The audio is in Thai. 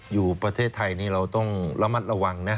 อยู่ประเทศไทยนี่เราต้องระมัดระวังนะ